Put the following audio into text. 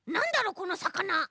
このさかな。